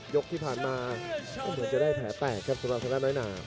ยกที่ผ่านมาก็เหมือนจะได้แผลแตกครับสำหรับธนาน้อยหนา